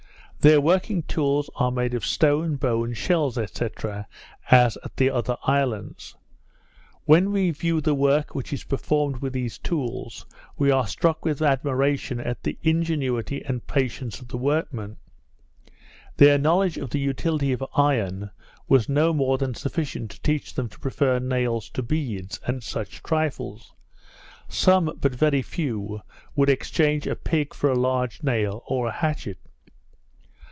Their working tools are made of stone, bone, shells, &c. as at the other islands. When we view the work which is performed with these tools, we are struck with admiration at the ingenuity and patience of the workman. Their knowledge of the utility of iron was no more than sufficient to teach them to prefer nails to beads, and such trifles; some, but very few, would exchange a pig for a large nail, or a hatchet.